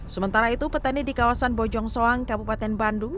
sementara itu petani di kawasan bojong soang kabupaten bandung